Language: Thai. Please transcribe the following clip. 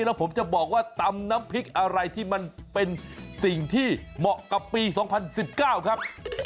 แล้วผมจะบอกว่าตำน้ำพริกอะไรที่มันเป็นสิ่งที่เหมาะกับปี๒๐๑๙ครับ